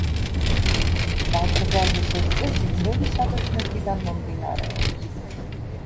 დაკრძალვის ეს წესი ძველი საბერძნეთიდან მომდინარეობს.